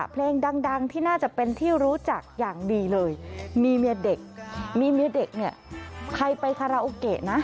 เพลงดังที่น่าจะเป็นที่รู้จักอย่างดีเลยมีเมียเด็กใครไปคาราโอเคนะ